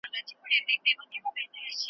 د پروبایوتیک اخیستو مخکې نیم ساعت انتظار ښه دی.